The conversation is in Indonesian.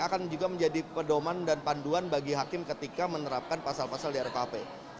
akan juga menjadi pedoman dan panduan bagi hakim ketika menerapkan pasal pasal di rkuhp